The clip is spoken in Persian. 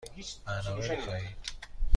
برنامه می خواهید؟